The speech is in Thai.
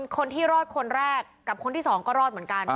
คนที่รอดคนแรกกับคนที่สองก็รอดเหมือนกัน